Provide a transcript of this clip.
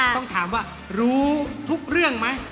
ต้องถามว่ารู้ทุกเรื่องไหม